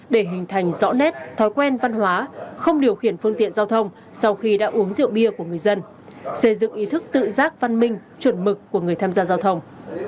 để hình thành rõ nét thói quen văn hóa không điều khiển phương tiện giao thông sau khi đã uống rượu bia của người dân xây dựng ý thức tự giác văn minh chuẩn mực của người tham gia giao thông